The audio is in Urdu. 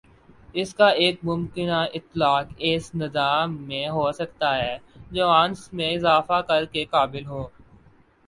اس کا ایک ممکنہ اطلاق ایس نظام میں ہو سکتا ہے جو انس میں اضافہ کر کے قابل ہو